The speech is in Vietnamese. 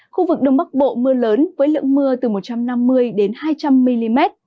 khu vực đông bắc bộ mưa lớn với lượng mưa từ một trăm năm mươi hai trăm linh mm